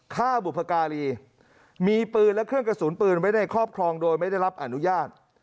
ฆ่าบุพการีมีปืนและเครื่องกระสุนปืนไว้ในครอบครองโดยไม่ได้รับอนุญาต